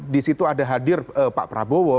disitu ada hadir pak prabowo